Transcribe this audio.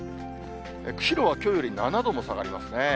釧路はきょうより７度も下がりますね。